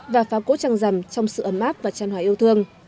và phá cỗ trăng rằm trong sự ẩm áp và tràn hóa yêu thương